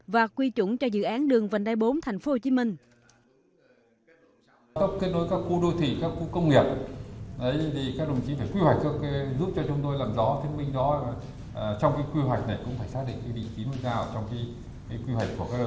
và quy trụng cho dự án đường vành đai bốn thành phố hồ chí minh